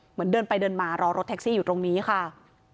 เหมือนเดินไปเดินมารอรถแท็กซี่อยู่ตรงนี้ค่ะ